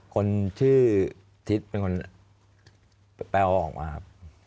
คนชื่อทิศเป็นคนแปลวออกมาครับ